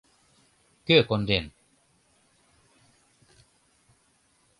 Кӧ конден?..